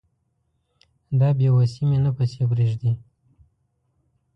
دا بې وسي مي نه پسې پرېږدي